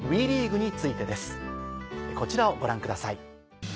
こちらをご覧ください。